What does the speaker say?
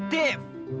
detik di lapangan